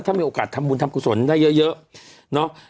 ถ้ามีโอกาสทำบุญทำกุศลได้เยอะเนาะ